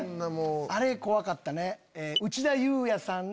あれ怖かったね。